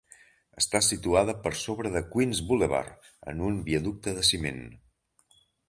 Està situada per sobre de Queens Boulevard, en un viaducte de ciment.